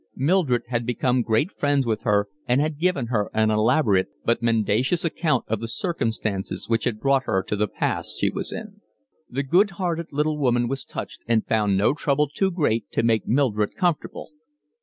Mildred had become great friends with her and had given her an elaborate but mendacious account of the circumstances which had brought her to the pass she was in. The good hearted little woman was touched and found no trouble too great to make Mildred comfortable.